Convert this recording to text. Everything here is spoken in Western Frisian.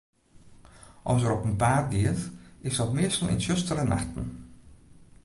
As er op 'en paad giet, is dat meastal yn tsjustere nachten.